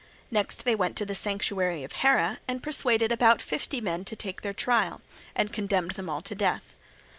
Next they went to the sanctuary of Hera and persuaded about fifty men to take their trial, and condemned them all to death.